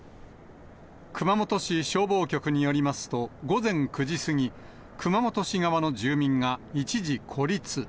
熊本市消防局によりますと、午前９時過ぎ、熊本市側の住民が一時孤立。